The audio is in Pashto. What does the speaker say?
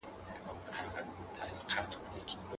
ټولنیز غبرګونونه باید سنجول شوي وي.